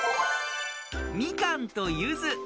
みかんとゆず。